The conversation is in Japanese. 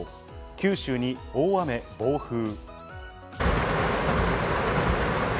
九州に大雨・暴風。